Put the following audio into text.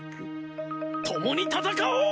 共に戦おう！